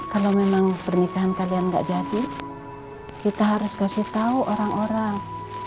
kalau memang pernikahan kalian nggak jadi kita harus kasih tahu orang orang